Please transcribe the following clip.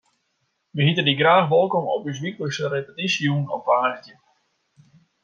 Wy hjitte dy graach wolkom op ús wyklikse repetysjejûn op woansdei.